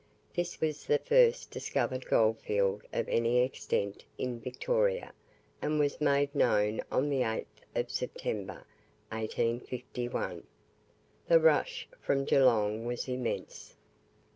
This was the first discovered goldfield of any extent in Victoria, and was made known on the 8th of September, 1851. The rush from Geelong was immense.